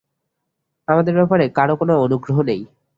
আমাদের ব্যাপারে কারো কোনো অনুগ্রহ নেই।